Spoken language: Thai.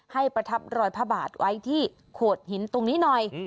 ประทับรอยพระบาทไว้ที่โขดหินตรงนี้หน่อย